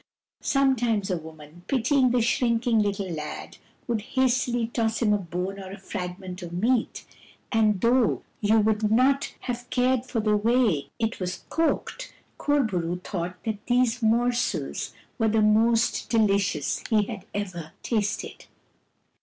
Sometimes a woman, pitying the shrinking little lad, would hastily toss him a bone or a fragment of meat ; and though you would not have cared for the way it 2i6 KUR BO ROO, THE BEAR was cooked, Kur bo roo thought that these morsels were the most delicious he had ever tasted.